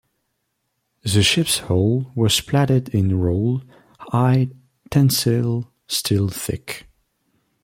The ship's hull was plated in rolled, high tensile steel thick.